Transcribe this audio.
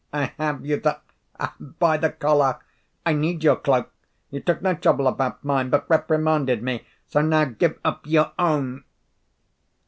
I have you, that by the collar! I need your cloak; you took no trouble about mine, but reprimanded me; so now give up your own."